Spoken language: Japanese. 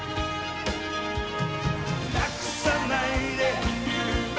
「なくさないで夢を」